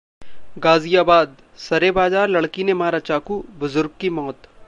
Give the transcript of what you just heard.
गाजियाबाद: सरेबाजार लड़की ने मारा चाकू, बुजुर्ग की मौत